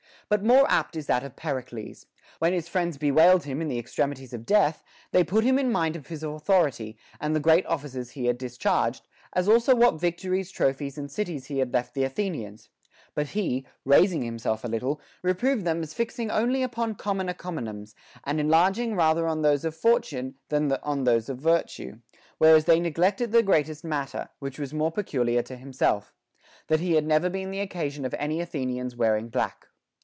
* But more apt is that of Pericles. When his friends be wailed him in the extremities of death, they put him in mind of his authority and the great offices he had dis charged, as also what victories, trophies, and cities he had left the Athenians ; but he, raising himself a little, reproved them as fixing only upon common encomiums, and en larging rather on those of fortune than on those of virtue, whereas they neglected the greatest matter, which was more peculiar to himself, — that he had never been (lie occasion of any Athenian's wearing black.